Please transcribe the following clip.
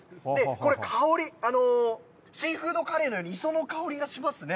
これ、香り、シーフードカレーのように、磯の香りがしますね。